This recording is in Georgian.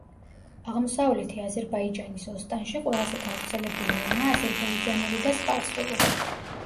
აღმოსავლეთი აზერბაიჯანის ოსტანში ყველაზე გავრცელებული ენაა აზერბაიჯანული და სპარსული.